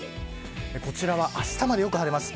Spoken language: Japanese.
こちらは、あしたまで晴れます。